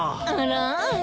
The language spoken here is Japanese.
あら。